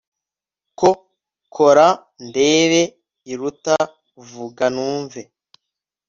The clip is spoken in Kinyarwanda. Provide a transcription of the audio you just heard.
ko kora ndebe iruta vuga numve